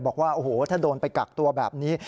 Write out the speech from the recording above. บอกว่าโอ้โหถ้าโดนไปกักตัวแบบนี้